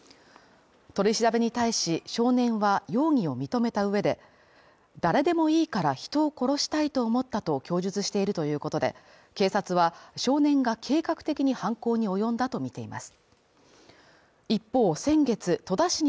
取り調べに対し少年は容疑を認めた上で誰でもいいから人を殺したいと思ったと供述しているということで、警察は少年が計画的に犯行に及んだとみています。